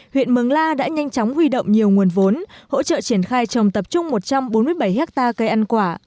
huyện mường la đã nhanh chóng huy động nhiều nguồn vốn hỗ trợ triển khai trồng tập trung một trăm bốn mươi bảy hectare cây ăn quả